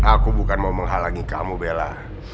aku bukan mau menghalangi kamu bella